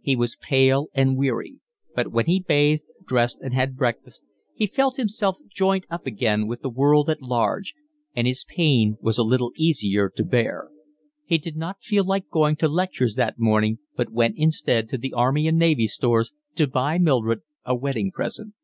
He was pale and weary. But when he had bathed, dressed, and had breakfast, he felt himself joined up again with the world at large; and his pain was a little easier to bear. He did not feel like going to lectures that morning, but went instead to the Army and Navy Stores to buy Mildred a wedding present.